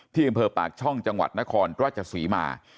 ที่บริเวณเตอร์ปากช่องจังหวัดนครรวชสรีมา